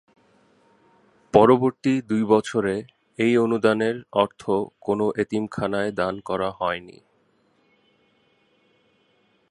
পরবর্তী দুই বছরে এই অনুদানের অর্থ কোনো এতিমখানায় দান করা হয়নি।